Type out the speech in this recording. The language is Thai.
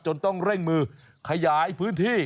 ต้องเร่งมือขยายพื้นที่